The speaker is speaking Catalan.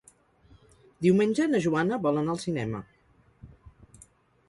Diumenge na Joana vol anar al cinema.